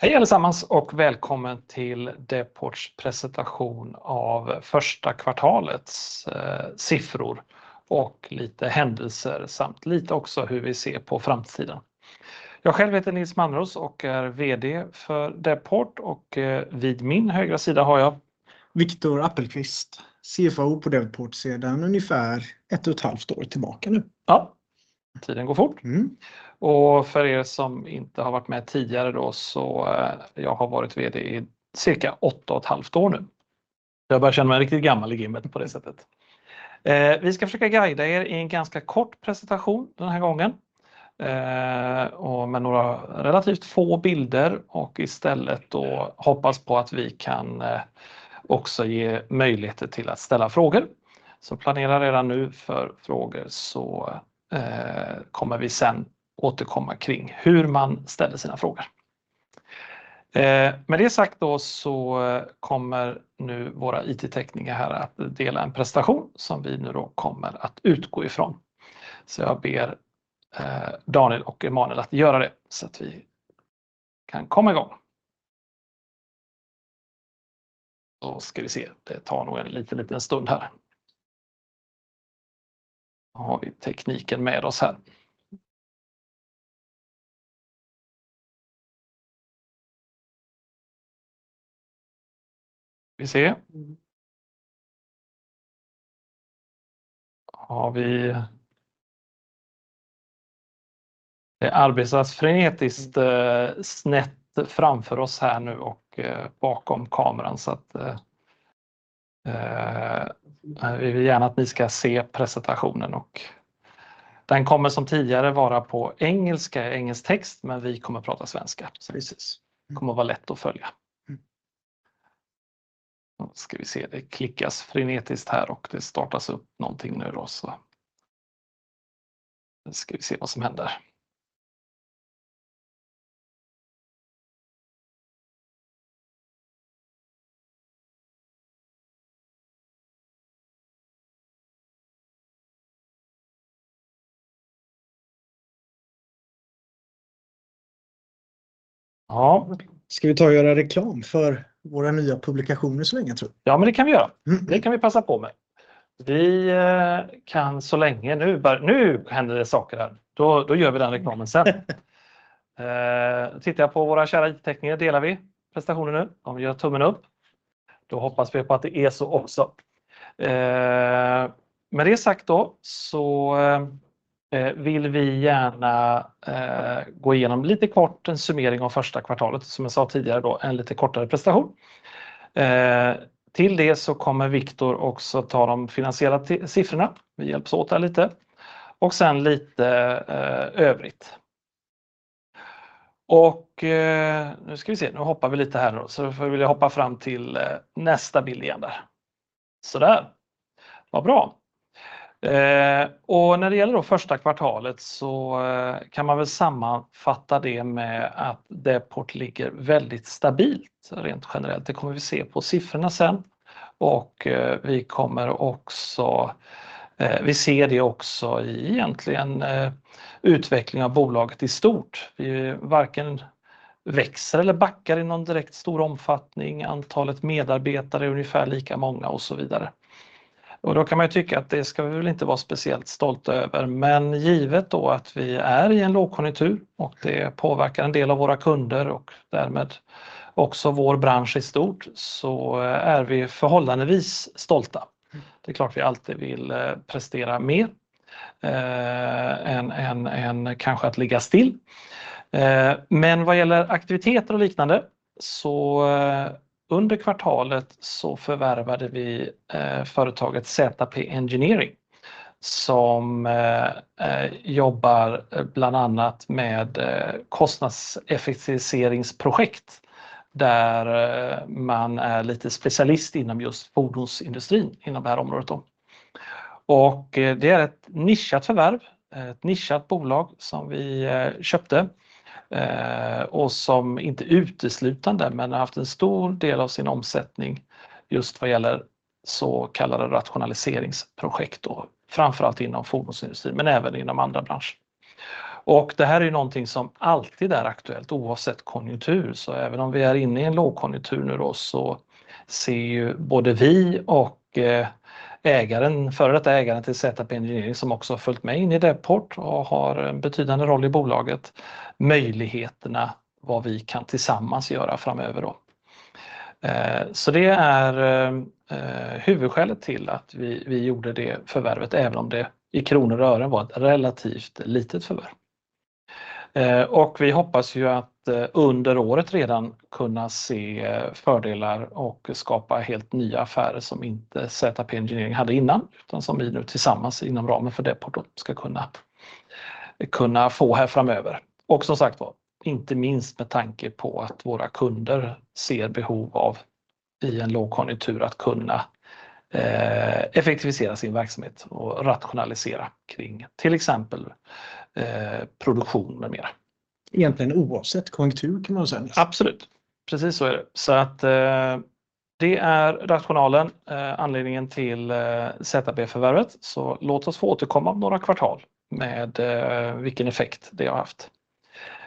Hej allesammans och välkommen till Deports presentation av första kvartalets siffror och lite händelser, samt lite också hur vi ser på framtiden. Jag själv heter Nils Mannerås och är VD för Deport och vid min högra sida har jag: Viktor Appelqvist, CFO på Deport sedan ungefär ett och ett halvt år tillbaka nu. Ja, tiden går fort. Och för er som inte har varit med tidigare då så, jag har varit VD i cirka åtta och ett halvt år nu. Jag börjar känna mig riktigt gammal i gamet på det sättet. Vi ska försöka guida er i en ganska kort presentation den här gången, och med några relativt få bilder och istället då hoppas på att vi kan också ge möjligheter till att ställa frågor. Så planera redan nu för frågor så, kommer vi sedan återkomma kring hur man ställer sina frågor. Med det sagt då så kommer nu våra IT-tekniker här att dela en presentation som vi nu då kommer att utgå ifrån. Så jag ber Daniel och Emanuel att göra det så att vi kan komma i gång. Då ska vi se, det tar nog en liten, liten stund här. Då har vi tekniken med oss här. Vi ser. Har vi... Det arbetas frenetiskt, snett framför oss här nu och bakom kameran, så att vi vill gärna att ni ska se presentationen och den kommer som tidigare vara på engelska, engelsk text, men vi kommer att prata svenska. Precise. Det kommer vara lätt att följa. Då ska vi se, det klickas frenetiskt här och det startas upp någonting nu då så. Nu ska vi se vad som händer. Ja, ska vi ta och göra reklam för våra nya publikationer så länge tror du? Ja, men det kan vi göra. Det kan vi passa på med. Vi kan så länge nu, nu händer det saker här. Då gör vi den reklamen sen. Tittar jag på våra kära IT-tekniker, delar vi presentationen nu? De gör tummen upp. Då hoppas vi på att det är så också. Med det sagt då, så vill vi gärna gå igenom lite kort en summering av första kvartalet, som jag sa tidigare då, en lite kortare presentation. Till det så kommer Viktor också ta de finansiella siffrorna. Vi hjälps åt här lite och sen lite övrigt. Nu ska vi se, nu hoppar vi lite här då, så får vi hoppa fram till nästa bild igen där. Sådär! Vad bra. När det gäller då första kvartalet så kan man väl sammanfatta det med att Deport ligger väldigt stabilt, rent generellt. Det kommer vi se på siffrorna sen och vi kommer också, vi ser det också i egentligen utvecklingen av bolaget i stort. Vi varken växer eller backar i någon direkt stor omfattning, antalet medarbetare är ungefär lika många och så vidare. Då kan man ju tycka att det ska vi väl inte vara speciellt stolta över, men givet då att vi är i en lågkonjunktur och det påverkar en del av våra kunder och därmed också vår bransch i stort, så är vi förhållandevis stolta. Det är klart vi alltid vill prestera mer än att ligga still. Men vad gäller aktiviteter och liknande, så under kvartalet så förvärvade vi företaget ZP Engineering, som jobbar bland annat med kostnadseffektiviseringsprojekt, där man är lite specialist inom just fordonsindustrin, inom det här området då. Och det är ett nischat förvärv, ett nischat bolag som vi köpte och som inte uteslutande, men har haft en stor del av sin omsättning just vad gäller så kallade rationaliseringsprojekt, framför allt inom fordonsindustrin, men även inom andra branscher. Och det här är någonting som alltid är aktuellt, oavsett konjunktur. Så även om vi är inne i en lågkonjunktur nu då, så ser både vi och ägaren, före detta ägaren till ZP Engineering, som också har följt med in i Deport och har en betydande roll i bolaget, möjligheterna vad vi kan tillsammans göra framöver då. Så det är huvudskälet till att vi gjorde det förvärvet, även om det i kronor och ören var ett relativt litet förvärv. Och vi hoppas ju att under året redan kunna se fördelar och skapa helt nya affärer som inte ZP Engineering hade innan, utan som vi nu tillsammans inom ramen för Deport ska kunna få här framöver. Och som sagt var, inte minst med tanke på att våra kunder ser behov av, i en lågkonjunktur, att kunna effektivisera sin verksamhet och rationalisera kring, till exempel, produktion med mera. Egentligen oavsett konjunktur kan man väl säga? Absolut. Precis så är det. Det är rationalen, anledningen till ZB-förvärvet. Låt oss få återkomma om några kvartal med vilken effekt det har haft.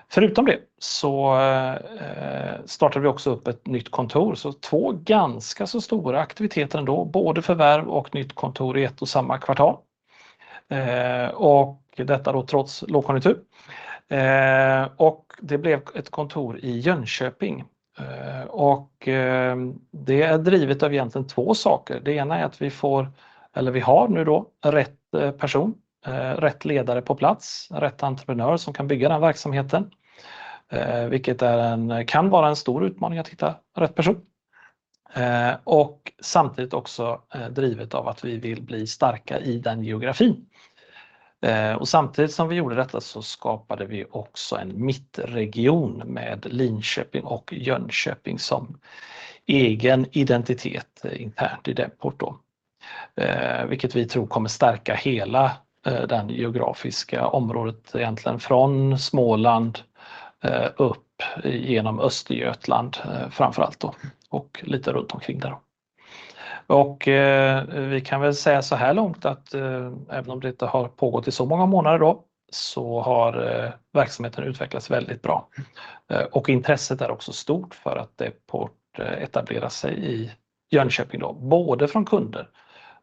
Förutom det så startade vi också upp ett nytt kontor, så två ganska så stora aktiviteter ändå, både förvärv och nytt kontor i ett och samma kvartal. Detta trots lågkonjunktur. Det blev ett kontor i Jönköping och det är drivet av egentligen två saker. Det ena är att vi får, eller vi har nu då, rätt person, rätt ledare på plats, rätt entreprenör som kan bygga den verksamheten, vilket är en, kan vara en stor utmaning att hitta rätt person. Samtidigt också drivet av att vi vill bli starka i den geografin. Samtidigt som vi gjorde detta så skapade vi också en mittregion med Linköping och Jönköping som egen identitet internt i Deport då. Vilket vi tror kommer stärka hela det geografiska området, egentligen från Småland upp igenom Östergötland, framför allt då, och lite runt omkring där då. Vi kan väl säga såhär långt att även om det inte har pågått i så många månader då, så har verksamheten utvecklats väldigt bra. Intresset är också stort för att Deport etablerar sig i Jönköping då, både från kunder,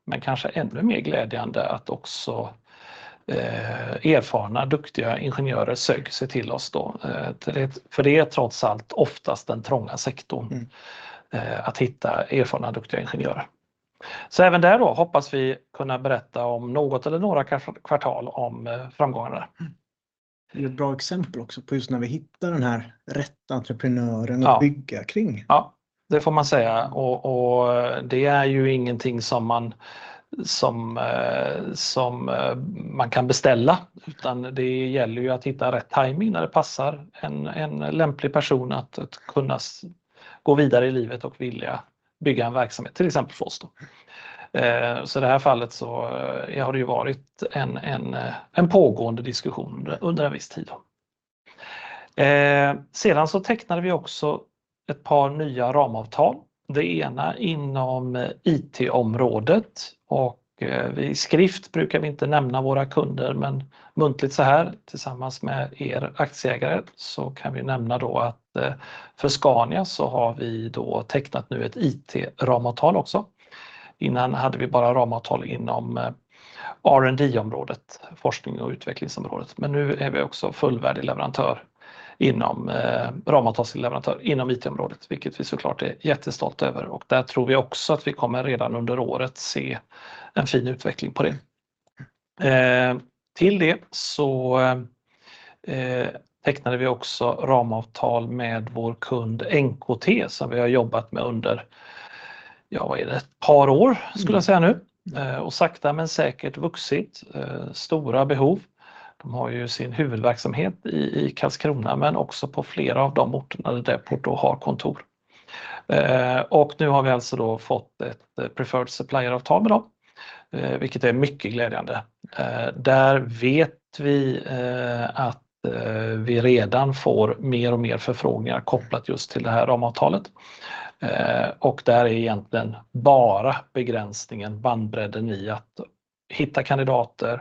men kanske ännu mer glädjande att också erfarna, duktiga ingenjörer söker sig till oss då. För det är trots allt oftast den trånga sektorn att hitta erfarna, duktiga ingenjörer. Så även där då hoppas vi kunna berätta om något eller några kvartal om framgångarna. Det är ett bra exempel också på just när vi hittar den här rätta entreprenören att bygga kring. Ja, det får man säga och det är ju ingenting som man kan beställa, utan det gäller ju att hitta rätt timing när det passar en lämplig person att kunna gå vidare i livet och vilja bygga en verksamhet, till exempel för oss då. I det här fallet så har det ju varit en pågående diskussion under en viss tid. Sedan så tecknade vi också ett par nya ramavtal, det ena inom IT-området och i skrift brukar vi inte nämna våra kunder, men muntligt såhär, tillsammans med er aktieägare, så kan vi nämna då att för Scania så har vi då tecknat nu ett IT-ramavtal också. Innan hade vi bara ramavtal inom R&D-området, forskning och utvecklingsområdet, men nu är vi också fullvärdig leverantör inom ramavtalsleverantör, inom IT-området, vilket vi så klart är jättestolt över och där tror vi också att vi kommer redan under året se en fin utveckling på det. Till det så tecknade vi också ramavtal med vår kund NKT, som vi har jobbat med under, ja, vad är det? Ett par år skulle jag säga nu. Sakta men säkert vuxit, stora behov. De har ju sin huvudverksamhet i Karlskrona, men också på flera av de orterna där Deport har kontor. Nu har vi alltså då fått ett preferred supplier-avtal med dem, vilket är mycket glädjande. Där vet vi att vi redan får mer och mer förfrågningar kopplat just till det här ramavtalet och där är egentligen bara begränsningen bandbredden i att hitta kandidater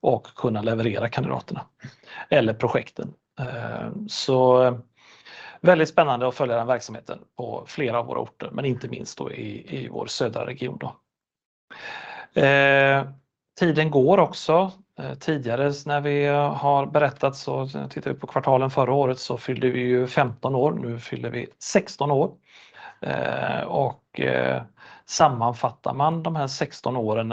och kunna leverera kandidaterna eller projekten. Så väldigt spännande att följa den verksamheten på flera av våra orter, men inte minst i vår södra region. Tiden går också. Tidigare när vi har berättat, tittar vi på kvartalen förra året, så fyllde vi ju femton år, nu fyller vi sexton år. Sammanfattar man de här sexton åren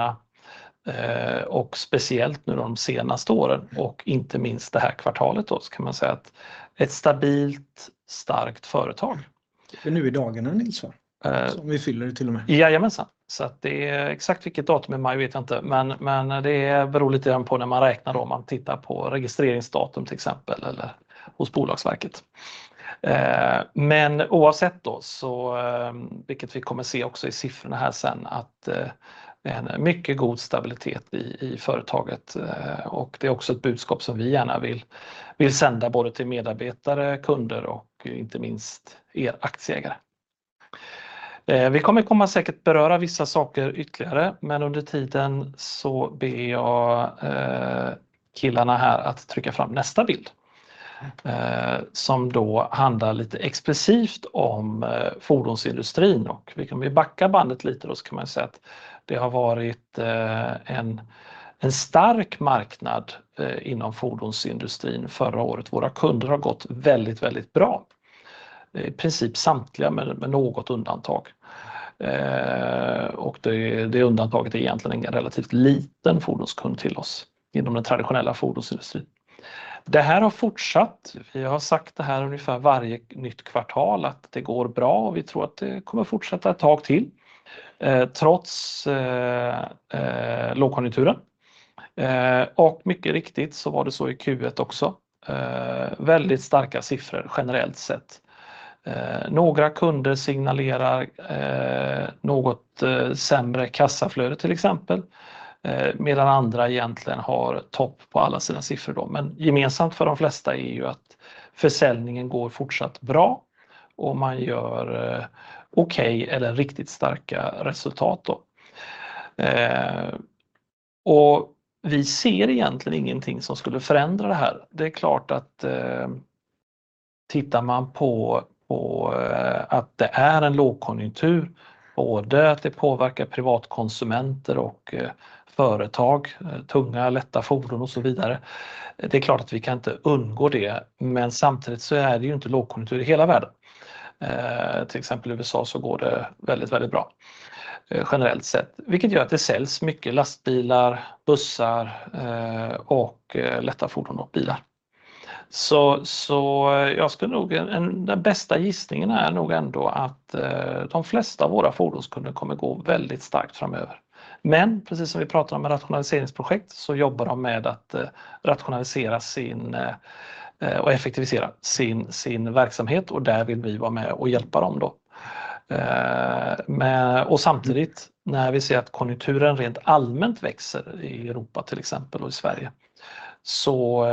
och speciellt nu de senaste åren och inte minst det här kvartalet, så kan man säga att ett stabilt, starkt företag. Det är nu i dagarna, Nils va? Som vi fyller det till och med. Jajamensan! Så att det är exakt vilket datum i maj vet jag inte, men det beror lite grann på när man räknar då, om man tittar på registreringsdatum, till exempel, eller hos Bolagsverket. Men oavsett då, vilket vi kommer att se också i siffrorna här sedan, att det är en mycket god stabilitet i företaget och det är också ett budskap som vi gärna vill sända både till medarbetare, kunder och inte minst er aktieägare. Vi kommer komma säkert beröra vissa saker ytterligare, men under tiden så ber jag killarna här att trycka fram nästa bild, som då handlar lite expressivt om fordonsindustrin och vi kan backa bandet lite då så kan man säga att det har varit en stark marknad inom fordonsindustrin förra året. Våra kunder har gått väldigt, väldigt bra. I princip samtliga med något undantag. Och det, det undantaget är egentligen en relativt liten fordonskund till oss inom den traditionella fordonsindustrin. Det här har fortsatt. Vi har sagt det här ungefär varje nytt kvartal, att det går bra och vi tror att det kommer fortsätta ett tag till, trots lågkonjunkturen. Mycket riktigt så var det så i Q1 också. Väldigt starka siffror generellt sett. Några kunder signalerar något sämre kassaflöde, till exempel, medan andra egentligen har topp på alla sina siffror. Men gemensamt för de flesta är ju att försäljningen går fortsatt bra och man gör okej eller riktigt starka resultat då. Vi ser egentligen ingenting som skulle förändra det här. Det är klart att, tittar man på att det är en lågkonjunktur, både att det påverkar privatkonsumenter och företag, tunga, lätta fordon och så vidare. Det är klart att vi kan inte undgå det, men samtidigt så är det ju inte lågkonjunktur i hela världen. Till exempel USA så går det väldigt, väldigt bra, generellt sett, vilket gör att det säljs mycket lastbilar, bussar och lätta fordon och bilar. Så jag skulle nog, den bästa gissningen är nog ändå att de flesta av våra fordonskunder kommer att gå väldigt starkt framöver. Men precis som vi pratar om med rationaliseringsprojekt, så jobbar de med att rationalisera sin, och effektivisera sin verksamhet och där vill vi vara med och hjälpa dem då. Och samtidigt, när vi ser att konjunkturen rent allmänt växer i Europa, till exempel och i Sverige, så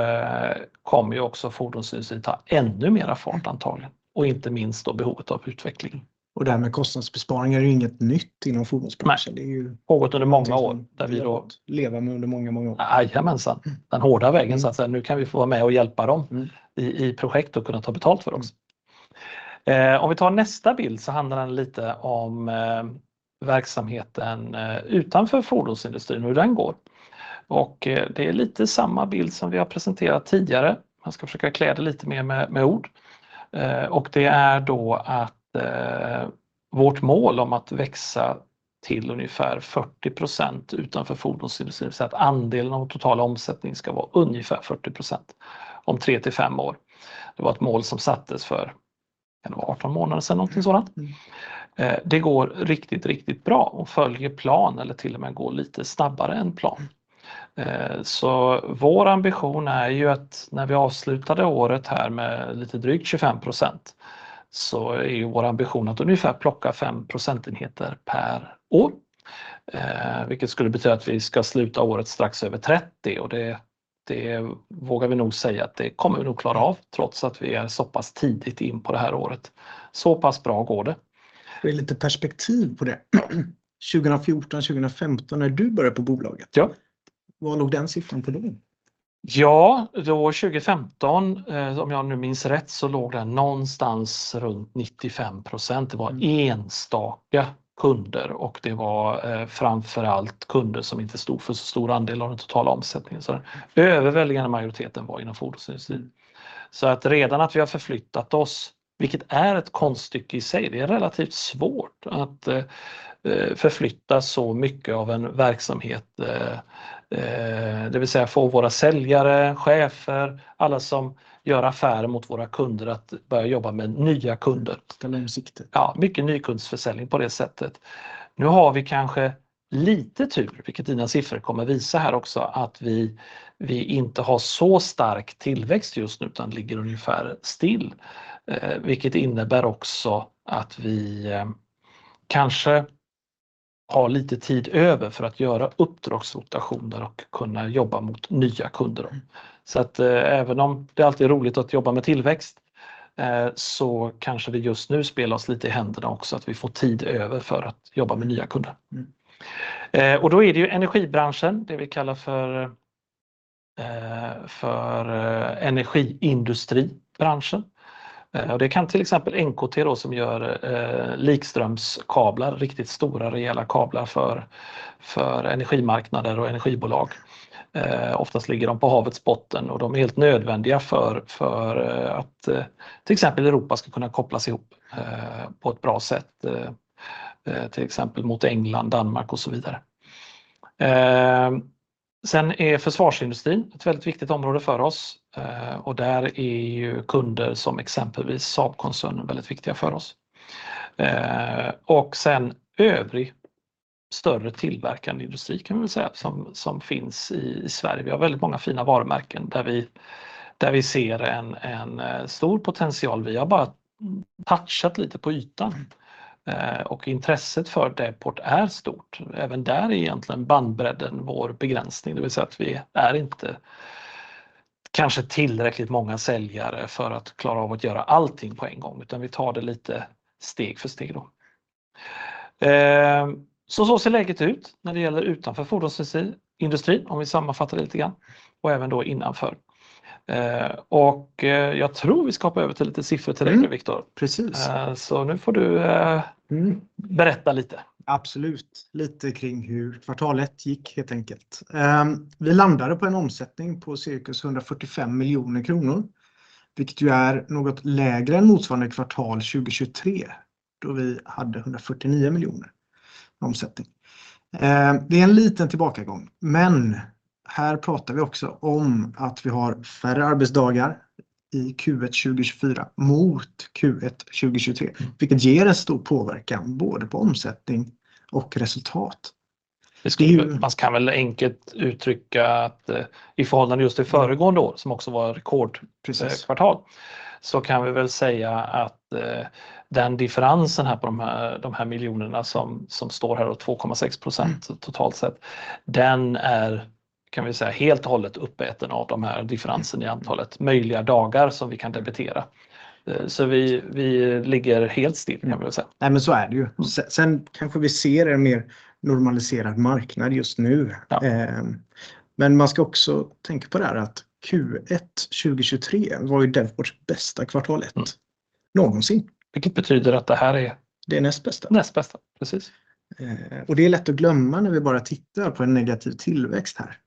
kommer ju också fordonsindustrin ta ännu mera fart antagligen, och inte minst då behovet av utveckling. Och det här med kostnadsbesparingar är ju inget nytt inom fordonsbranschen. Nej, något under många år. leva med under många, många år. Jajamensan, den hårda vägen så att säga. Nu kan vi få vara med och hjälpa dem i projekt och kunna ta betalt för det också. Om vi tar nästa bild så handlar den lite om verksamheten utanför fordonsindustrin och hur den går. Det är lite samma bild som vi har presenterat tidigare. Man ska försöka klä det lite mer med ord. Det är då att vårt mål om att växa till ungefär 40% utanför fordonsindustrin, så att andelen av total omsättning ska vara ungefär 40% om tre till fem år. Det var ett mål som sattes för arton månader sedan, någonting sådant. Det går riktigt bra och följer plan eller till och med går lite snabbare än plan. Vår ambition är ju att när vi avslutade året här med lite drygt 25%, så är ju vår ambition att ungefär plocka 5 procentenheter per år. Vilket skulle betyda att vi ska sluta året strax över 30% och det, det vågar vi nog säga att det kommer vi nog klara av, trots att vi är såpass tidigt in på det här året. Så pass bra går det. Det är lite perspektiv på det. 2014, 2015, när du började på bolaget. Ja. Vad var nog den siffran på då? Ja, då 2015, om jag nu minns rätt, så låg den någonstans runt 95%. Det var enstaka kunder och det var framför allt kunder som inte stod för så stor andel av den totala omsättningen. Övervägande majoriteten var inom fordonsindustrin. Redan att vi har förflyttat oss, vilket är ett konststycke i sig, det är relativt svårt att förflytta så mycket av en verksamhet. Det vill säga få våra säljare, chefer, alla som gör affärer mot våra kunder att börja jobba med nya kunder. Ställa in siktet. Ja, mycket nykundsförsäljning på det sättet. Nu har vi kanske lite tur, vilket dina siffror kommer visa här också, att vi inte har så stark tillväxt just nu, utan ligger ungefär still. Vilket innebär också att vi kanske har lite tid över för att göra uppdragskvotationer och kunna jobba mot nya kunder. Så att även om det alltid är roligt att jobba med tillväxt, så kanske vi just nu spelar oss lite i händerna också, att vi får tid över för att jobba med nya kunder. Då är det ju energibranschen, det vi kallar för energiindustribranschen. Det kan till exempel NKT då, som gör likströmskablar, riktigt stora rejäla kablar för energimarknader och energibolag. Oftast ligger de på havets botten och de är helt nödvändiga för att till exempel Europa ska kunna kopplas ihop på ett bra sätt, till exempel mot England, Danmark och så vidare. Eh, sen är försvarsindustrin ett väldigt viktigt område för oss och där är ju kunder som exempelvis Saab-koncernen väldigt viktiga för oss. Och sedan övrig större tillverkande industri kan man väl säga, som finns i Sverige. Vi har väldigt många fina varumärken där vi ser en stor potential. Vi har bara touchat lite på ytan och intresset för Deport är stort. Även där är egentligen bandbredden vår begränsning. Det vill säga att vi är inte kanske tillräckligt många säljare för att klara av att göra allting på en gång, utan vi tar det lite steg för steg då. Så ser läget ut när det gäller utanför fordonsindustrin, om vi sammanfattar lite grann och även då innanför. Och jag tror vi ska hoppa över till lite siffror till dig, Viktor. Precise. Så nu får du berätta lite. Absolut. Lite kring hur kvartalet gick helt enkelt. Vi landade på en omsättning på cirka 145 miljoner kronor, vilket ju är något lägre än motsvarande kvartal 2023, då vi hade 149 miljoner omsättning. Det är en liten tillbakagång, men här pratar vi också om att vi har färre arbetsdagar i Q1 2024 mot Q1 2023, vilket ger en stor påverkan både på omsättning och resultat. Man kan väl enkelt uttrycka att i förhållande till det föregående året, som också var ett rekordkvartal, så kan vi väl säga att differensen här på de här miljonerna som står här och 2,6% totalt sett, den är... Kan vi säga helt och hållet uppäten av differensen i antalet möjliga dagar som vi kan debitera. Så vi ligger helt still kan man väl säga. Nej, men så är det ju. Sen kanske vi ser en mer normaliserad marknad just nu. Men man ska också tänka på det här att Q1 2023 var ju vårt bästa kvartal ett någonsin. Vilket betyder att det här är- Det är näst bästa. Näst bästa, precis. Och det är lätt att glömma när vi bara tittar på en negativ tillväxt här.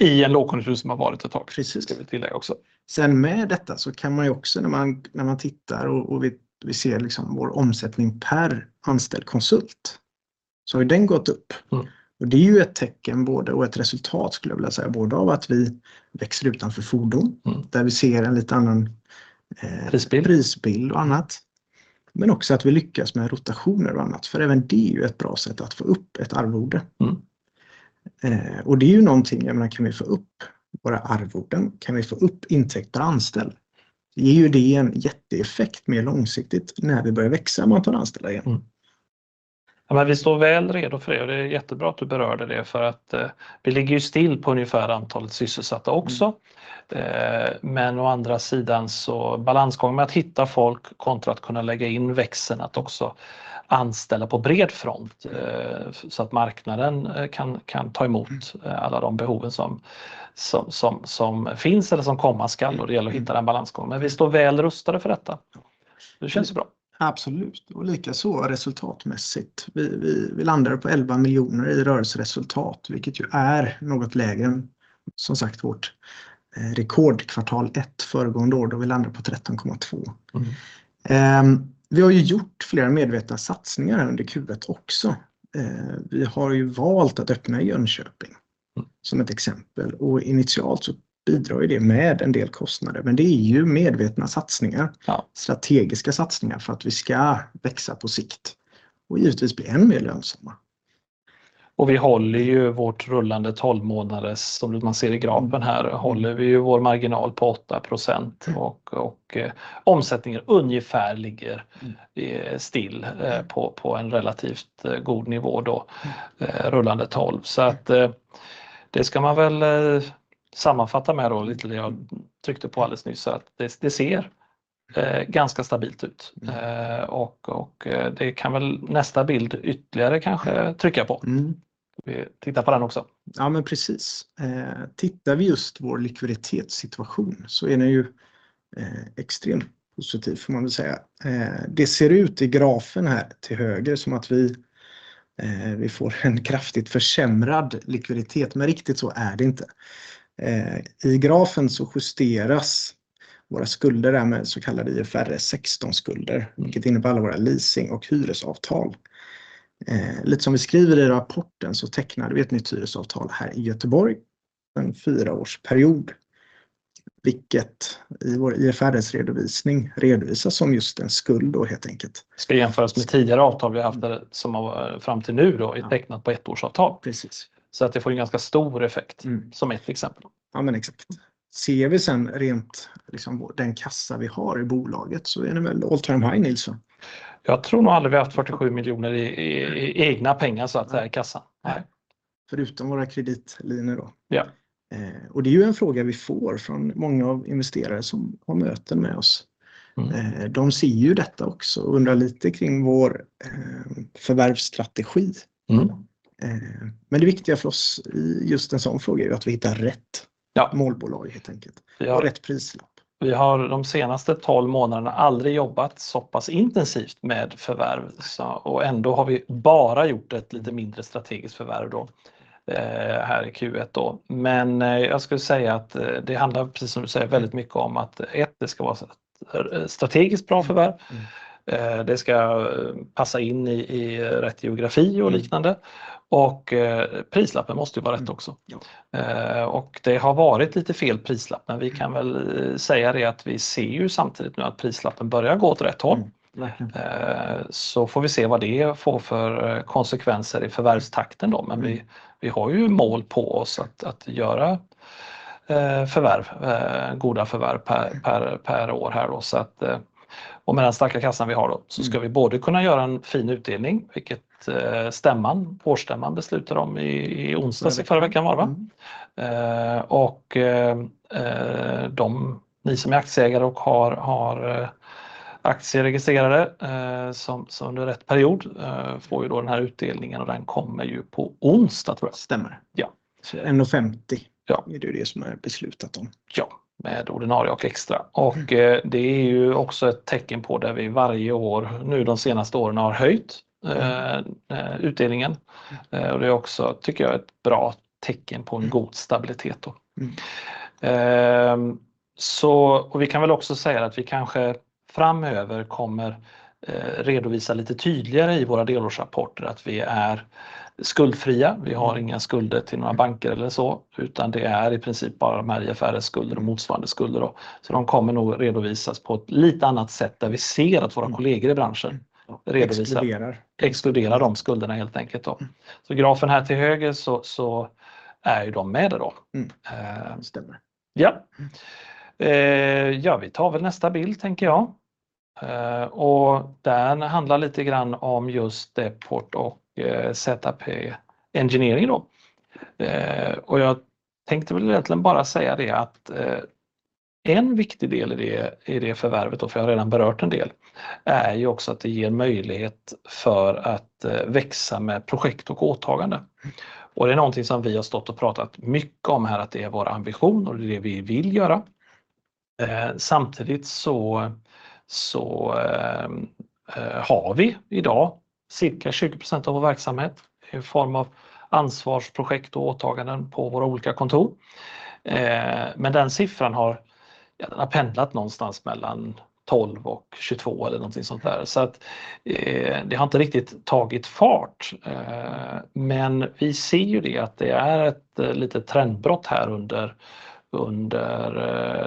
I en lågkonjunktur som har varit ett tag. Precise. Ska vi tillägga också. Sen med detta så kan man ju också när man, när man tittar och vi, vi ser liksom vår omsättning per anställd konsult, så har ju den gått upp. Och det är ju ett tecken både och ett resultat, skulle jag vilja säga, både av att vi växer utanför fordon, där vi ser en lite annan- Prisbild. Prisbild och annat, men också att vi lyckas med rotationer och annat. För även det är ju ett bra sätt att få upp ett arvode. Och det är ju någonting, kan vi få upp våra arvoden? Kan vi få upp intäkter per anställd? Ger ju det en jätteeffekt mer långsiktigt när vi börjar växa med antalet anställda igen. Ja, men vi står väl redo för det. Det är jättebra att du berörde det för att vi ligger ju still på ungefär antalet sysselsatta också. Men å andra sidan så, balansgången med att hitta folk kontra att kunna lägga in växeln, att också anställa på bred front. Så att marknaden kan ta emot alla de behoven som finns eller som komma skall och det gäller att hitta den balansgången. Men vi står väl rustade för detta. Det känns bra. Absolut, och lika så resultatmässigt. Vi landar på elva miljoner i rörelseresultat, vilket ju är något lägre än, som sagt, vårt rekordkvartal ett föregående år, då vi landade på tretton komma två. Vi har ju gjort flera medvetna satsningar under Q1 också. Vi har ju valt att öppna i Jönköping, som ett exempel, och initialt så bidrar ju det med en del kostnader, men det är ju medvetna satsningar, strategiska satsningar för att vi ska växa på sikt och givetvis bli än mer lönsamma. Och vi håller ju vårt rullande tolv månader, som man ser i grafen här, håller vi vår marginal på 8% och omsättningen ungefär ligger still på en relativt god nivå då, rullande tolv. Så att det ska man väl sammanfatta med då, lite det jag tryckte på alldeles nyss, att det ser ganska stabilt ut. Det kan väl nästa bild ytterligare kanske trycka på. Vi tittar på den också. Ja, men precis. Tittar vi just vår likviditetssituation så är den ju extremt positiv, får man väl säga. Det ser ut i grafen här till höger som att vi får en kraftigt försämrad likviditet, men riktigt så är det inte. I grafen så justeras våra skulder med så kallade IFRS 16 skulder, vilket innebär alla våra leasing- och hyresavtal. Lite som vi skriver i rapporten så tecknade vi ett nytt hyresavtal här i Göteborg, en fyra års period, vilket i vår IFRS redovisning redovisas som just en skuld då helt enkelt. Ska jämföras med tidigare avtal vi haft som har fram till nu då, är tecknat på ett årsavtal. Precise. Så att det får en ganska stor effekt som ett exempel. Ja, men exakt. Ser vi sedan rent, liksom den kassa vi har i bolaget så är det väl all time high, Nils va? Jag tror nog aldrig vi haft fyrtiosju miljoner i egna pengar, så att säga, i kassan. Förutom våra kreditliner då. Ja. Och det är ju en fråga vi får från många av investerare som har möten med oss. De ser ju detta också och undrar lite kring vår förvärvsstrategi. Men det viktiga för oss i just en sådan fråga är att vi hittar rätt målbolag, helt enkelt. Och rätt prislapp. Vi har de senaste tolv månaderna aldrig jobbat såpass intensivt med förvärv och ändå har vi bara gjort ett lite mindre strategiskt förvärv här i Q1. Men jag skulle säga att det handlar, precis som du säger, väldigt mycket om att det ska vara ett strategiskt bra förvärv, det ska passa in i rätt geografi och liknande och prislappen måste vara rätt också. Det har varit lite fel prislapp, men vi kan säga det, att vi ser samtidigt nu att prislappen börjar gå åt rätt håll. Får vi se vad det får för konsekvenser i förvärvstakten, men vi har mål på oss att göra förvärv, goda förvärv per år här. Och med den starka kassan vi har då, så ska vi både kunna göra en fin utdelning, vilket stämman, årsstämman beslutade om i onsdags i förra veckan var det va? Och de, ni som är aktieägare och har aktier registrerade, som under rätt period får ju då den här utdelningen och den kommer ju på onsdag tror jag. Stämmer. Ja. En och femtio. Ja. Är det det som är beslutat om? Ja, med ordinarie och extra. Och det är ju också ett tecken på där vi varje år, nu de senaste åren, har höjt utdelningen. Och det är också, tycker jag, ett bra tecken på en god stabilitet då. Så, och vi kan väl också säga att vi kanske framöver kommer redovisa lite tydligare i våra delårsrapporter att vi är skuldfria. Vi har inga skulder till några banker eller så, utan det är i princip bara de här IFRS-skulder och motsvarande skulder. Så de kommer nog redovisas på ett lite annat sätt där vi ser att våra kollegor i branschen redovisar. Exkluderar. Exkluderar de skulderna helt enkelt. Så grafen här till höger så, så är ju de med det då. Stämmer. Ja, vi tar väl nästa bild tänker jag. Och den handlar lite grann om just Depot och ZP Engineering då. Och jag tänkte väl egentligen bara säga det att en viktig del i det, i det förvärvet då, för jag har redan berört en del, är ju också att det ger en möjlighet för att växa med projekt och åtagande. Och det är någonting som vi har stått och pratat mycket om här, att det är vår ambition och det är det vi vill göra. Samtidigt så har vi i dag cirka 20% av vår verksamhet i form av ansvarsprojekt och åtaganden på våra olika kontor. Men den siffran har, ja den har pendlat någonstans mellan tolv och tjugotvå eller någonting sånt där. Så att det har inte riktigt tagit fart, men vi ser ju det, att det är ett litet trendbrott här under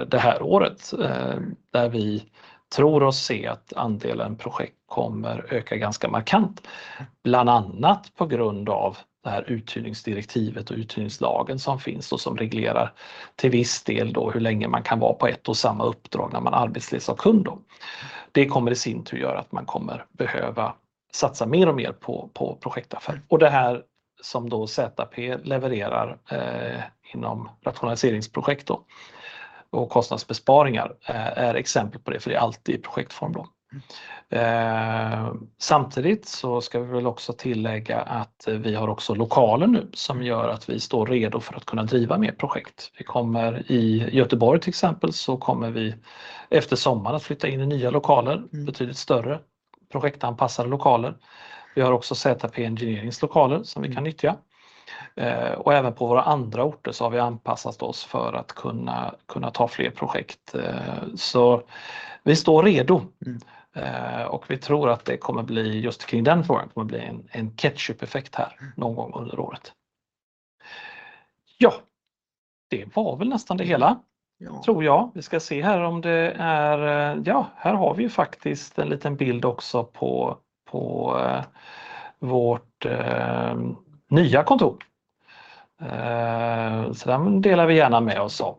det här året, där vi tror oss se att andelen projekt kommer öka ganska markant. Bland annat på grund av det här uthyrningsdirektivet och uthyrningslagen som finns och som reglerar till viss del då hur länge man kan vara på ett och samma uppdrag när man arbetsleds av kund då. Det kommer i sin tur göra att man kommer behöva satsa mer och mer på projektaffär. Det här som då ZP levererar inom rationaliseringsprojekt då och kostnadsbesparingar är exempel på det, för det är alltid i projektform då. Samtidigt så ska vi väl också tillägga att vi har också lokaler nu som gör att vi står redo för att kunna driva mer projekt. Vi kommer i Göteborg, till exempel, så kommer vi efter sommaren att flytta in i nya lokaler, betydligt större projektanpassade lokaler. Vi har också ZP Engineerings lokaler som vi kan nyttja. Även på våra andra orter så har vi anpassat oss för att kunna ta fler projekt. Vi står redo och vi tror att det kommer bli just kring den formen, kommer bli en ketchupeffekt här någon gång under året. Det var väl nästan det hela tror jag. Vi ska se här om det är... Här har vi ju faktiskt en liten bild också på vårt nya kontor. Den delar vi gärna med oss av.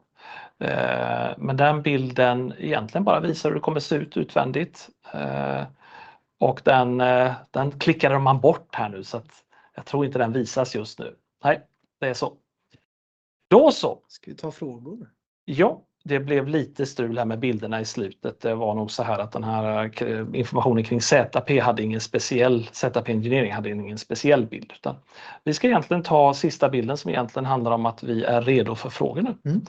Men den bilden egentligen bara visar hur det kommer att se ut utvändigt. Den klickade man bort här nu, så att jag tror inte den visas just nu. Nej, det är så. Då så! Ska vi ta frågor? Ja, det blev lite strul här med bilderna i slutet. Det var nog såhär att den här informationen kring ZP hade ingen speciell, ZP Engineering, hade ingen speciell bild. Vi ska egentligen ta sista bilden som egentligen handlar om att vi är redo för frågor nu.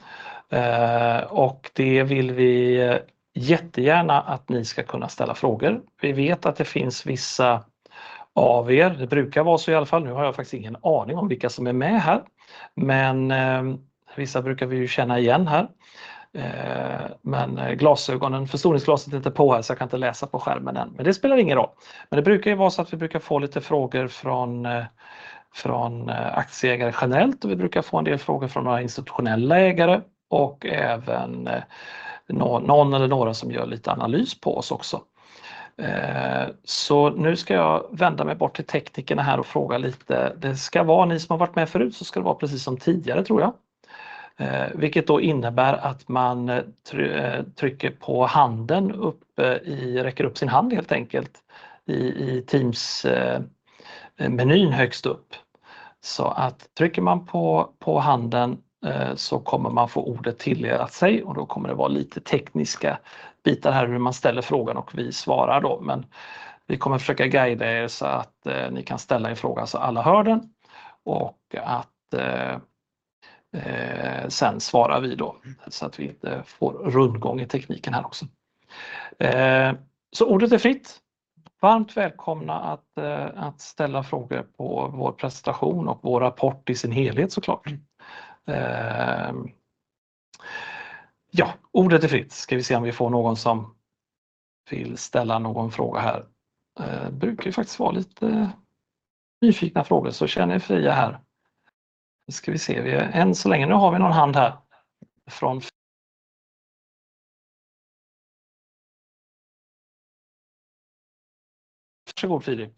Och det vill vi jättegärna att ni ska kunna ställa frågor. Vi vet att det finns vissa av er, det brukar vara så i alla fall. Nu har jag faktiskt ingen aning om vilka som är med här, men vissa brukar vi ju känna igen här. Men glasögonen, förstoringsglaset är inte på här, så jag kan inte läsa på skärmen än, men det spelar ingen roll. Men det brukar ju vara så att vi brukar få lite frågor från aktieägare generellt och vi brukar få en del frågor från några institutionella ägare och även någon eller några som gör lite analys på oss också. Nu ska jag vända mig bort till teknikerna här och fråga lite. Det ska vara ni som har varit med förut, så ska det vara precis som tidigare tror jag. Vilket då innebär att man trycker på handen uppe i, räcker upp sin hand helt enkelt, i Teams-menyn högst upp. Så att trycker man på handen så kommer man få ordet tilldelat sig och då kommer det vara lite tekniska bitar här, hur man ställer frågan och vi svarar då, men vi kommer att försöka guida er så att ni kan ställa en fråga så alla hör den och att sen svarar vi då så att vi inte får rundgång i tekniken här också. Ordet är fritt. Varmt välkomna att ställa frågor på vår presentation och vår rapport i sin helhet så klart. Ja, ordet är fritt. Ska vi se om vi får någon som vill ställa någon fråga här? Brukar ju faktiskt vara lite nyfikna frågor, så känn er fria här. Ska vi se, än så länge... Nu har vi någon hand här från... Varsågod, Philip.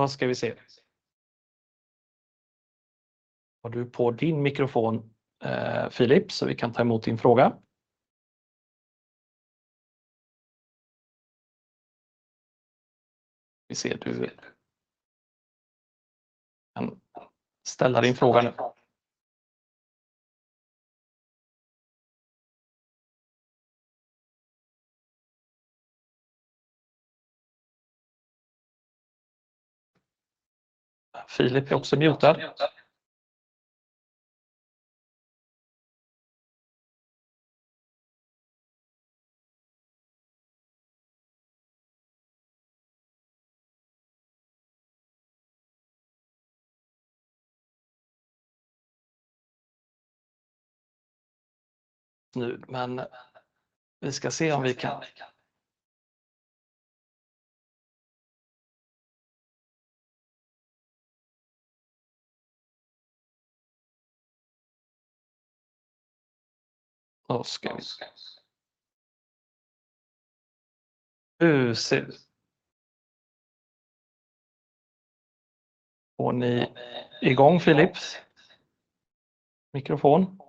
Då ska vi se. Har du på din mikrofon, Philip, så vi kan ta emot din fråga? Vi ser, du kan ställa din fråga nu. Philip är också mutad. Nu, men vi ska se om vi kan. Nu ska vi. Nu ser vi. Får ni igång Filip? Mikrofon.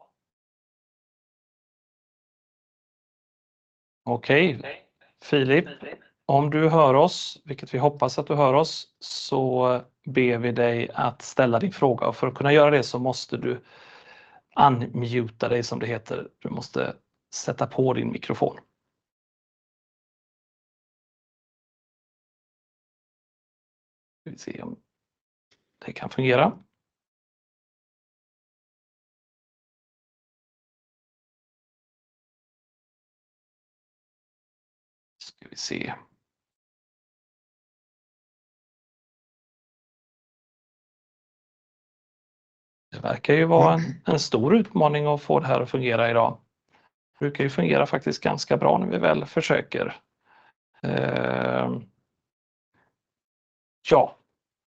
Okej, Filip, om du hör oss, vilket vi hoppas att du hör oss, så ber vi dig att ställa din fråga. Och för att kunna göra det så måste du unmuta dig som det heter. Du måste sätta på din mikrofon. Nu ska vi se om det kan fungera. Ska vi se. Det verkar ju vara en stor utmaning att få det här att fungera idag. Det brukar ju fungera faktiskt ganska bra när vi väl försöker.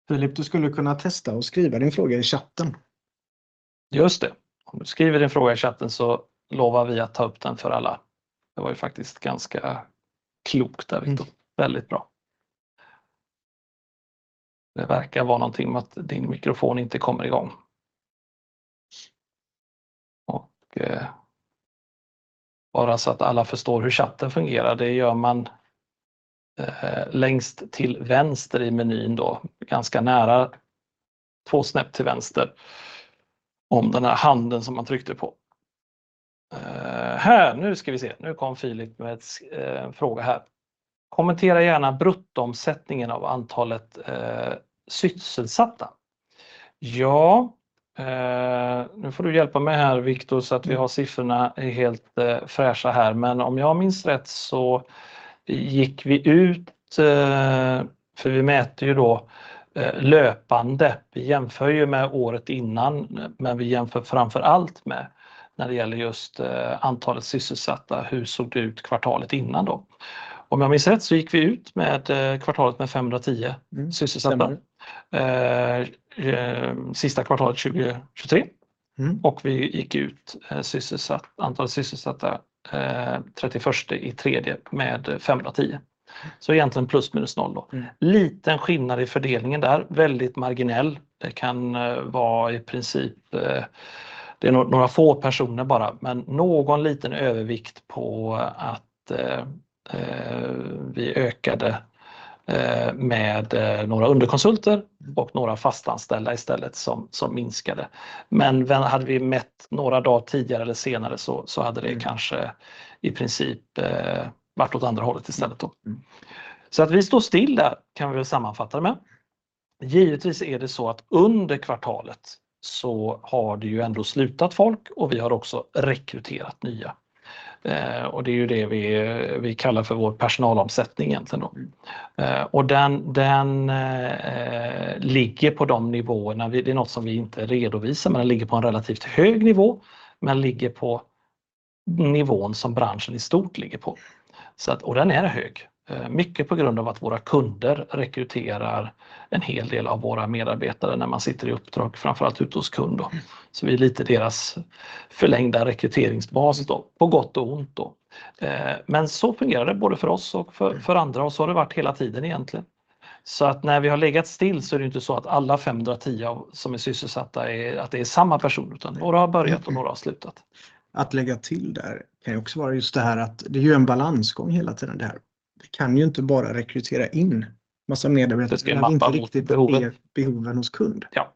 Filip, du skulle kunna testa och skriva din fråga i chatten. Just det. Om du skriver din fråga i chatten så lovar vi att ta upp den för alla. Det var ju faktiskt ganska klokt där, Viktor. Väldigt bra. Det verkar vara någonting med att din mikrofon inte kommer igång. Bara så att alla förstår hur chatten fungerar, det gör man längst till vänster i menyn då, ganska nära två snäpp till vänster om den här handen som man tryckte på. Här, nu ska vi se. Nu kom Filip med en fråga här. Kommentera gärna bruttoomsättningen av antalet sysselsatta. Ja, nu får du hjälpa mig här, Viktor, så att vi har siffrorna helt fräscha här. Men om jag minns rätt så gick vi ut, för vi mäter ju då löpande. Vi jämför ju med året innan, men vi jämför framför allt med när det gäller just antalet sysselsatta, hur såg det ut kvartalet innan då? Om jag minns rätt så gick vi ut med kvartalet med 510 sysselsatta. Sista kvartalet 2023 och vi gick ut sysselsatt, antalet sysselsatta, 31:a i tredje med 510. Så egentligen plus minus noll då. Liten skillnad i fördelningen där, väldigt marginell. Det kan vara i princip, det är några få personer bara, men någon liten övervikt på att vi ökade med några underkonsulter och några fastanställda istället som minskade. Men hade vi mätt några dagar tidigare eller senare så hade det kanske i princip varit åt andra hållet istället då. Så att vi står still där kan vi väl sammanfatta det med. Givetvis är det så att under kvartalet så har det ju ändå slutat folk och vi har också rekryterat nya. Och det är ju det vi kallar för vår personalomsättning egentligen då. Och den ligger på de nivåerna. Det är något som vi inte redovisar, men den ligger på en relativt hög nivå, men ligger på nivån som branschen i stort ligger på. Och den är hög, mycket på grund av att våra kunder rekryterar en hel del av våra medarbetare när man sitter i uppdrag, framför allt ute hos kund. Vi är lite deras förlängda rekryteringsbas då, på gott och ont då. Men så fungerar det både för oss och för andra och så har det varit hela tiden egentligen. När vi har legat still så är det inte så att alla femhundratio som är sysselsatta är att det är samma person, utan några har börjat och några har slutat. Att lägga till där kan ju också vara just det här att det är en balansgång hela tiden det här. Det kan ju inte bara rekrytera in en massa medarbetare. Det är inte riktigt behoven hos kund. Ja,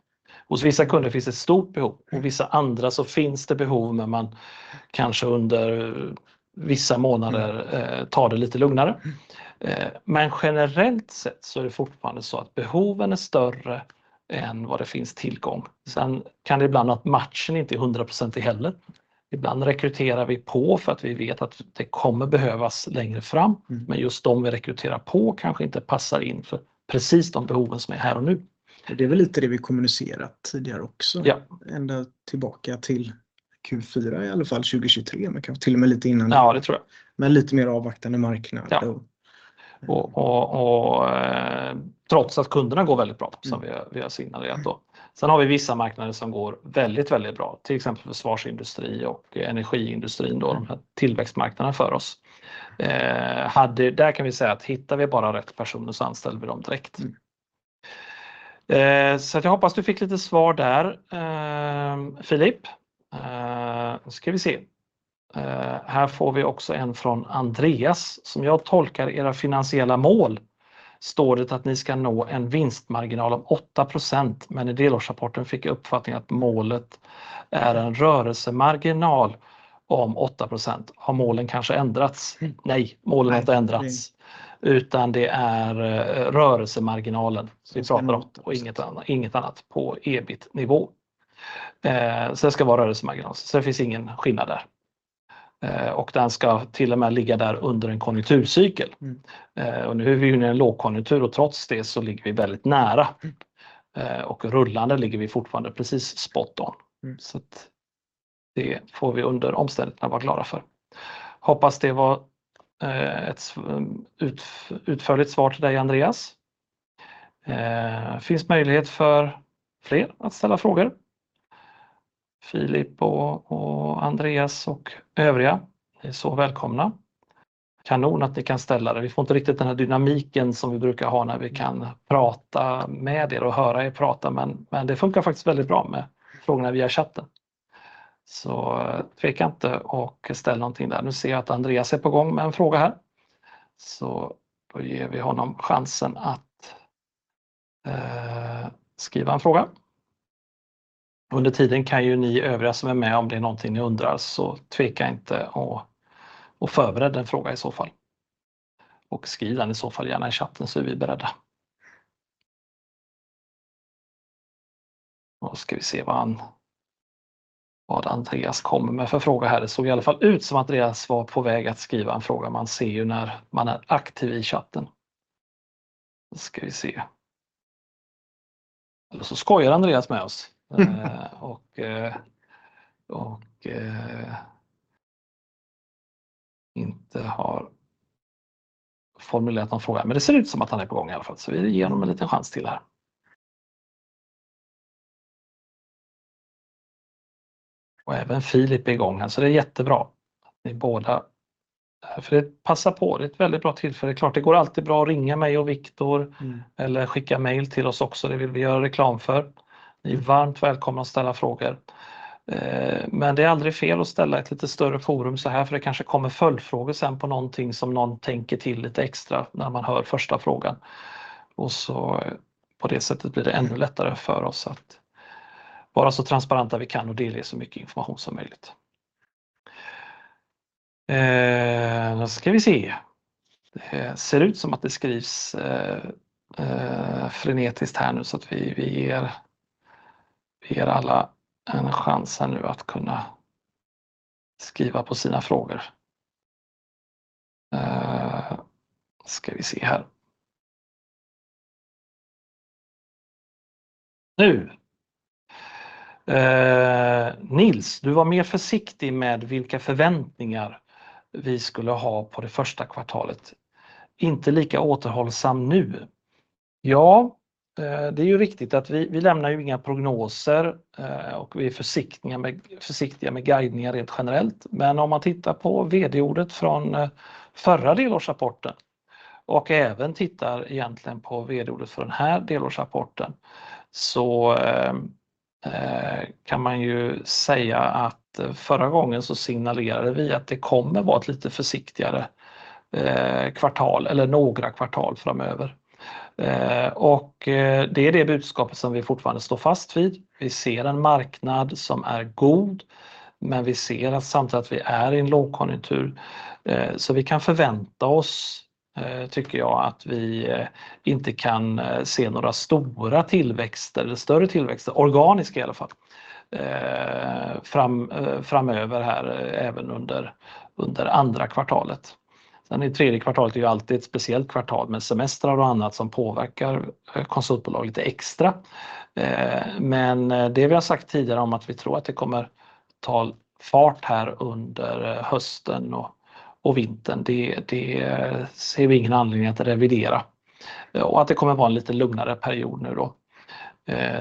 hos vissa kunder finns ett stort behov och vissa andra så finns det behov, men man kanske under vissa månader tar det lite lugnare. Men generellt sett så är det fortfarande så att behoven är större än vad det finns tillgång. Sen kan det ibland att matchen inte är hundraprocentig heller. Ibland rekryterar vi på för att vi vet att det kommer behövas längre fram, men just de vi rekryterar på kanske inte passar in för precis de behoven som är här och nu. Det är väl lite det vi kommunicerat tidigare också. Ja. Ända tillbaka till Q4, i alla fall 2023, men kanske till och med lite innan. Ja, det tror jag. Men lite mer avvaktande marknad. Och trots att kunderna går väldigt bra, som vi har signalerat då. Sen har vi vissa marknader som går väldigt, väldigt bra, till exempel försvarsindustri och energiindustrin, då de här tillväxtmarknaderna för oss. Där kan vi säga att hittar vi bara rätt personer så anställer vi dem direkt. Så jag hoppas du fick lite svar där, Filip. Nu ska vi se. Här får vi också en från Andreas. Som jag tolkar era finansiella mål, står det att ni ska nå en vinstmarginal om 8%, men i delårsrapporten fick jag uppfattningen att målet är en rörelsemarginal om 8%. Har målen kanske ändrats? Nej, målen har inte ändrats, utan det är rörelsemarginalen vi pratar om och inget annat, inget annat på EBIT-nivå. Så det ska vara rörelsemarginal, så det finns ingen skillnad där. Och den ska till och med ligga där under en konjunkturcykel. Och nu är vi ju i en lågkonjunktur och trots det så ligger vi väldigt nära och rullande ligger vi fortfarande precis spot on. Det får vi under omständigheterna vara glada för. Hoppas det var ett utförligt svar till dig, Andreas. Finns möjlighet för fler att ställa frågor? Philip och Andreas och övriga, ni är så välkomna. Kanon att ni kan ställa det. Vi får inte riktigt den här dynamiken som vi brukar ha när vi kan prata med er och höra er prata, men det funkar faktiskt väldigt bra med frågorna via chatten. Så tveka inte och ställ någonting där. Nu ser jag att Andreas är på gång med en fråga här, så då ger vi honom chansen att skriva en fråga. Under tiden kan ju ni övriga som är med, om det är någonting ni undrar, så tveka inte och förbereda en fråga i så fall. Skriv den i så fall gärna i chatten så är vi beredda. Då ska vi se vad han, vad Andreas kommer med för fråga här. Det såg i alla fall ut som att Andreas var på väg att skriva en fråga. Man ser ju när man är aktiv i chatten. Då ska vi se. Eller så skojar Andreas med oss och inte har formulerat någon fråga, men det ser ut som att han är på gång i alla fall, så vi ger honom en liten chans till här. Även Philip är igång här, så det är jättebra. Ni båda, för det passa på, det är ett väldigt bra tillfälle. Klart, det går alltid bra att ringa mig och Viktor eller skicka mejl till oss också. Det vill vi göra reklam för. Ni är varmt välkomna att ställa frågor. Men det är aldrig fel att ställa i ett lite större forum såhär, för det kanske kommer följdfrågor sen på någonting som någon tänker till lite extra när man hör första frågan. Och så på det sättet blir det ännu lättare för oss att vara så transparenta vi kan och dela i så mycket information som möjligt. Då ska vi se. Det ser ut som att det skrivs frenetiskt här nu, så att vi ger alla en chans här nu att kunna skriva på sina frågor. Ska vi se här. Nu! Nils, du var mer försiktig med vilka förväntningar vi skulle ha på det första kvartalet. Inte lika återhållsam nu. Ja, det är ju riktigt att vi lämnar ju inga prognoser och vi är försiktiga med guidningar rent generellt. Men om man tittar på VD-ordet från förra delårsrapporten och även tittar egentligen på VD-ordet för den här delårsrapporten, så kan man ju säga att förra gången så signalerade vi att det kommer vara ett lite försiktigare kvartal eller några kvartal framöver. Och det är det budskapet som vi fortfarande står fast vid. Vi ser en marknad som är god, men vi ser samtidigt att vi är i en lågkonjunktur. Så vi kan förvänta oss, tycker jag, att vi inte kan se några stora tillväxter eller större tillväxter, organiska i alla fall, framöver här, även under andra kvartalet. Sen i tredje kvartalet är ju alltid ett speciellt kvartal med semestrar och annat som påverkar konsultbolag lite extra. Men det vi har sagt tidigare om att vi tror att det kommer ta fart här under hösten och vintern, det ser vi ingen anledning att revidera. Att det kommer vara en lite lugnare period nu då.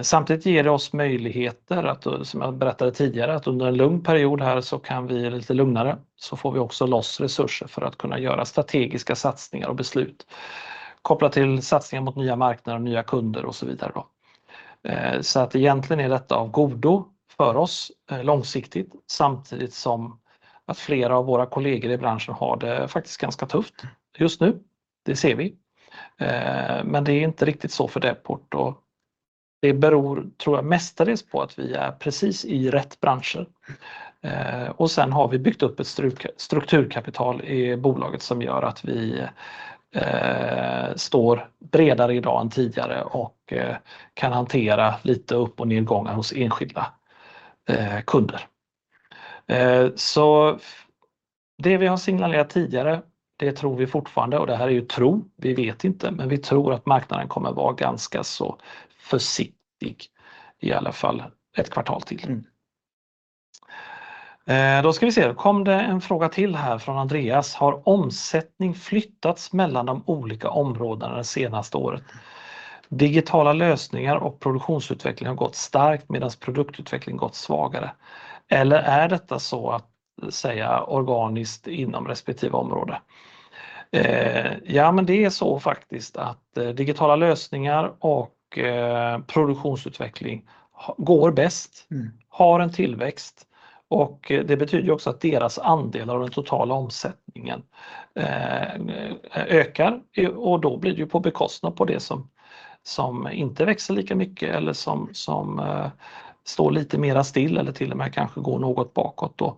Samtidigt ger det oss möjligheter att, som jag berättade tidigare, att under en lugn period här så kan vi lite lugnare, så får vi också loss resurser för att kunna göra strategiska satsningar och beslut, kopplat till satsningar mot nya marknader och nya kunder och så vidare då. Så att egentligen är detta av godo för oss långsiktigt, samtidigt som att flera av våra kollegor i branschen har det faktiskt ganska tufft just nu. Det ser vi, men det är inte riktigt så för Deport och det beror tror jag, mestadels på att vi är precis i rätt branscher. Och sen har vi byggt upp ett strukturkapital i bolaget som gör att vi står bredare idag än tidigare och kan hantera lite upp- och nedgångar hos enskilda kunder. Så det vi har signalerat tidigare, det tror vi fortfarande och det här är ju tro. Vi vet inte, men vi tror att marknaden kommer vara ganska så försiktig, i alla fall ett kvartal till. Då ska vi se. Kom det en fråga till här från Andreas: Har omsättning flyttats mellan de olika områdena det senaste året? Digitala lösningar och produktionsutveckling har gått starkt medan produktutveckling gått svagare. Eller är detta så att säga organiskt inom respektive område? Ja, men det är så faktiskt att digitala lösningar och produktionsutveckling går bäst, har en tillväxt och det betyder också att deras andelar av den totala omsättningen ökar och då blir det ju på bekostnad på det som inte växer lika mycket eller som står lite mer still eller till och med kanske går något bakåt då.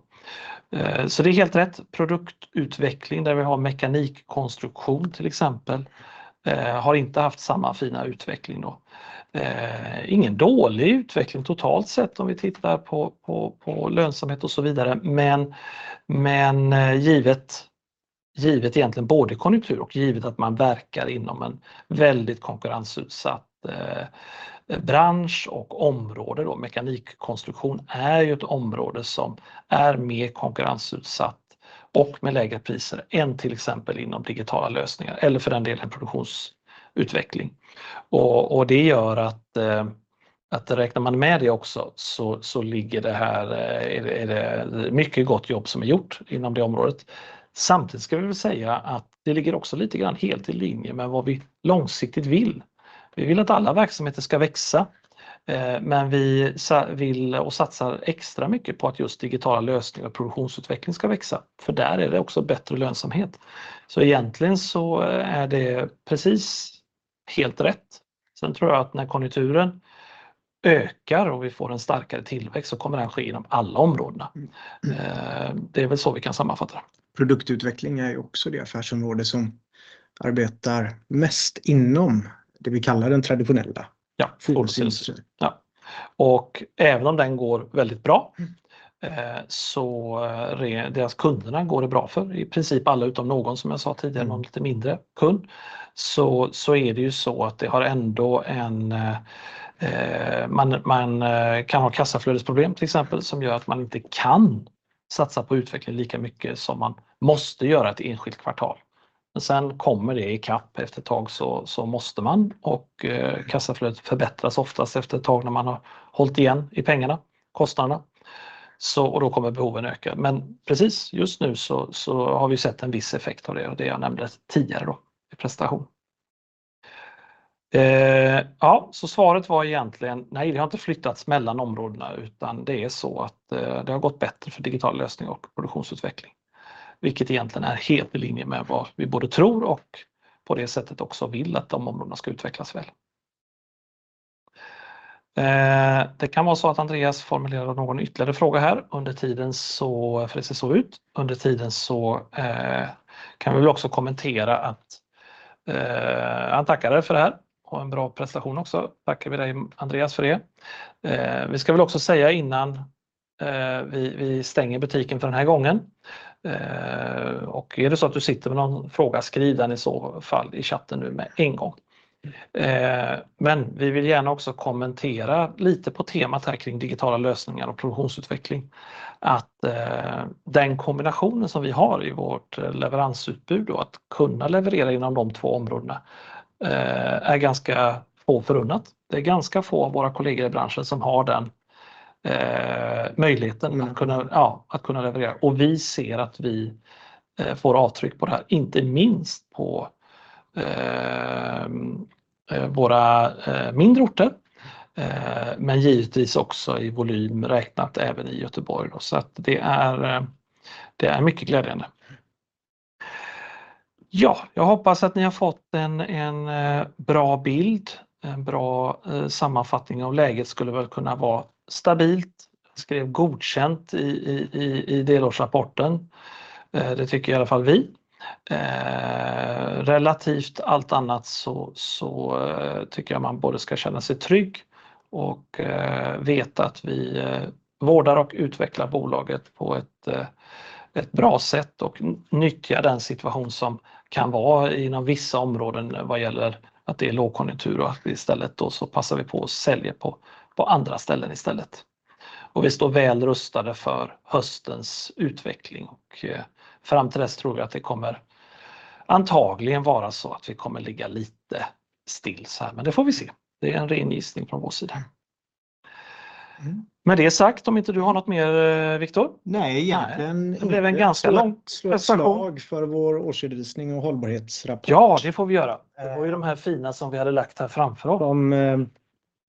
Så det är helt rätt. Produktutveckling, där vi har mekanikkonstruktion, till exempel, har inte haft samma fina utveckling då. Ingen dålig utveckling totalt sett om vi tittar på lönsamhet och så vidare, men givet egentligen både konjunktur och givet att man verkar inom en väldigt konkurrensutsatt bransch och område då. Mekanikkonstruktion är ju ett område som är mer konkurrensutsatt och med lägre priser än till exempel inom digitala lösningar eller för den delen produktionsutveckling. Och det gör att, räknar man med det också, så ligger det här, är det mycket gott jobb som är gjort inom det området. Samtidigt ska vi väl säga att det ligger också lite grann helt i linje med vad vi långsiktigt vill. Vi vill att alla verksamheter ska växa, men vi vill och satsar extra mycket på att just digitala lösningar och produktionsutveckling ska växa, för där är det också bättre lönsamhet. Så egentligen så är det precis helt rätt. Sen tror jag att när konjunkturen ökar och vi får en starkare tillväxt så kommer den ske inom alla områdena. Det är väl så vi kan sammanfatta det. Produktutveckling är ju också det affärsområdet som arbetar mest inom det vi kallar den traditionella fordonsindustrin. Ja, och även om den går väldigt bra, så deras kunderna går det bra för. I princip alla utom någon, som jag sa tidigare, någon lite mindre kund. Så det är ju så att det har ändå en, man kan ha kassaflödesproblem, till exempel, som gör att man inte kan satsa på utveckling lika mycket som man måste göra ett enskilt kvartal. Men sen kommer det i kapp efter ett tag, så man och kassaflödet förbättras oftast efter ett tag när man har hållit igen i pengarna, kostnaderna. Och då kommer behoven öka. Men precis, just nu så har vi sett en viss effekt av det och det jag nämnde tidigare då, i presentation. Ja, så svaret var egentligen: nej, det har inte flyttats mellan områdena, utan det är så att det har gått bättre för digital lösning och produktionsutveckling, vilket egentligen är helt i linje med vad vi både tror och på det sättet också vill att de områdena ska utvecklas väl. Det kan vara så att Andreas formulerar någon ytterligare fråga här. Under tiden så, för det ser så ut, under tiden så kan vi väl också kommentera att han tackar dig för det här. En bra presentation också. Tackar vi dig, Andreas, för det. Vi ska väl också säga innan vi stänger butiken för den här gången. Är det så att du sitter med någon fråga, skriv den i så fall i chatten nu med en gång. Men vi vill gärna också kommentera lite på temat här kring digitala lösningar och produktionsutveckling. Att den kombinationen som vi har i vårt leveransutbud och att kunna leverera inom de två områdena är ganska få förunnat. Det är ganska få av våra kollegor i branschen som har den möjligheten att kunna leverera och vi ser att vi får avtryck på det här, inte minst på våra mindre orter, men givetvis också i volym räknat även i Göteborg. Det är mycket glädjande. Jag hoppas att ni har fått en bra bild, en bra sammanfattning av läget. Skulle väl kunna vara stabilt. Skrev godkänt i delårsrapporten. Det tycker i alla fall vi. Relativt allt annat så tycker jag man både ska känna sig trygg och veta att vi vårdar och utvecklar bolaget på ett bra sätt och nyttja den situation som kan vara inom vissa områden vad gäller att det är lågkonjunktur och att vi istället då passar på att satsa på andra ställen istället. Vi står väl rustade för höstens utveckling och fram till dess tror vi att det kommer antagligen vara så att vi kommer ligga lite stilla här, men det får vi se. Det är en ren gissning från vår sida. Med det sagt, om inte du har något mer, Viktor? Nej, det blev en ganska lång slag för vår årsredovisning och hållbarhetsrapport. Ja, det får vi göra. Det var ju de här fina som vi hade lagt här framför oss. De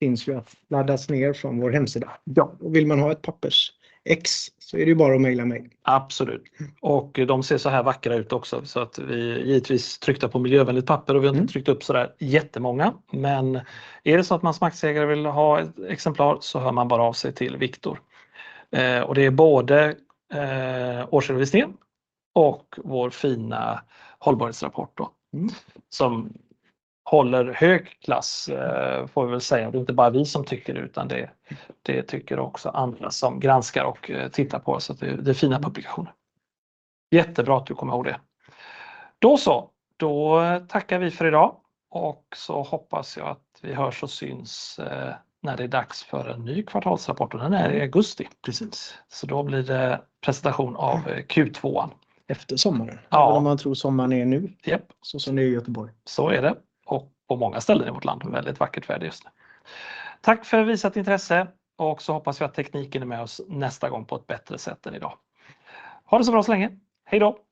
finns ju att laddas ner från vår hemsida. Ja. Och vill man ha ett pappersex, så är det ju bara att maila mig. Absolut. Och de ser såhär vackra ut också. Så att vi givetvis tryckt på miljövänligt papper och vi har inte tryckt upp sådär jättemånga, men är det så att man som aktieägare vill ha ett exemplar så hör man bara av sig till Viktor. Och det är både årsredovisningen och vår fina hållbarhetsrapport då, som håller hög klass, får vi väl säga. Det är inte bara vi som tycker det, utan det tycker också andra som granskar och tittar på oss. Så det är fina publikationer. Jättebra att du kom ihåg det. Då så, då tackar vi för idag och så hoppas jag att vi hörs och syns när det är dags för en ny kvartalsrapport och den är i augusti. Precise. Så då blir det presentation av Q2. Efter sommaren. Ja. Om man tror sommaren är nu. Yep. Så som det är i Göteborg. Så är det och på många ställen i vårt land. Väldigt vackert väder just nu. Tack för visat intresse och så hoppas vi att tekniken är med oss nästa gång på ett bättre sätt än idag. Ha det så bra så länge. Hejdå!